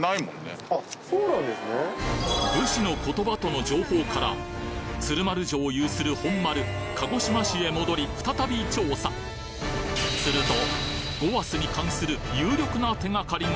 武士の言葉との情報から鶴丸城有する本丸鹿児島市へ戻り再び調査すると「ごわす」に関する有力な手がかりが！